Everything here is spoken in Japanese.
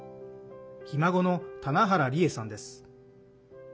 ひ孫の棚原梨江さんです。